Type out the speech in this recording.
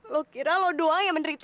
lo kira lo doang yang menderita